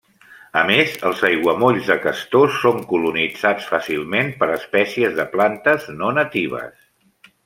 A més els aiguamolls de castor són colonitzats fàcilment per espècies de plantes no natives.